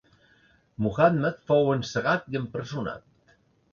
Muhammad fou encegat i empresonat.